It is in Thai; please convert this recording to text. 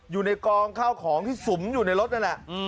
อยู่ในกองข้าวของที่สุมอยู่ในรถนั่นแหละ